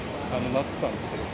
なったんですけども。